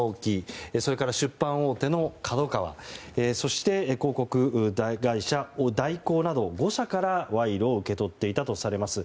それから出版大手のＫＡＤＯＫＡＷＡそして広告会社・大広など５社から賄賂を受け取っていたとされます。